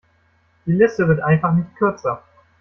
Die Liste wird einfach nicht kürzer.